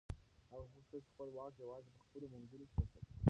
هغه غوښتل چې خپل واک یوازې په خپلو منګولو کې وساتي.